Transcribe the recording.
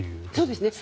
そうですね。